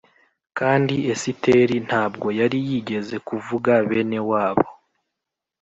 Kandi Esiteri ntabwo yari yigeze kuvuga bene wabo